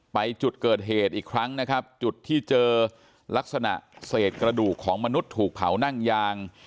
ไปจุดเกิดเหตุอีกครั้งนะครับจุดที่เจอลักษณะเศษกระดูกของมนุษย์ถูกเผานั่งยาง